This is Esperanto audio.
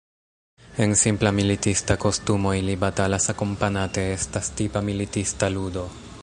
En simpla militista kostumo ili batalas akompanate estas tipa militista ludo.